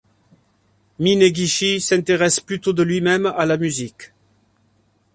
Minegishi s'intéresse plutôt de lui-même à la musique.